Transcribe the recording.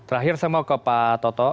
terakhir saya mau ke pak toto